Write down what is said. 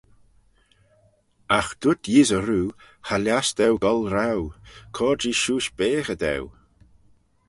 Agh dooyrt Yeesey roo, cha lhiass daue goll roue, cur-jee shiuish beaghey daue.